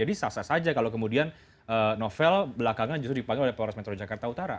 jadi saksa saja kalau kemudian novel belakangan justru dipanggil oleh polres metro jakarta utara